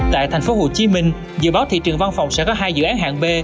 tại thành phố hồ chí minh dự báo thị trường văn phòng sẽ có hai dự án hạng b